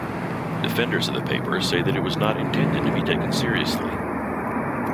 Defenders of the paper say that it was not intended to be taken seriously.